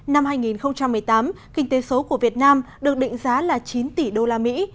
năm hai nghìn một mươi tám kinh tế số của việt nam được định giá là chín tỷ đô la mỹ